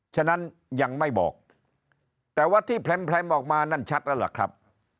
ฉะนั้นยังไม่บอกแต่ว่าที่แพร่มออกมานั่นชัดแล้วล่ะครับ